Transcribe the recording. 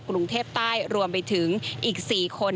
กรุงเทพใต้รวมไปถึงอีก๔คน